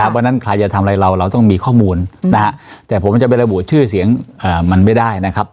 เพราะฉะนั้นใครจะทำอะไรเราเราต้องมีข้อมูลแต่ผมจะไประบุชื่อเสียงมันไม่ได้นะครับ